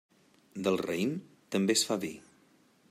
Del raïm, també es fa vi.